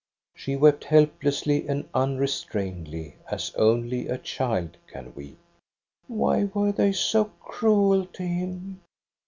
She wept help lessly and unrestrainedly, as only a child can weep. "* Why were they so cruel to him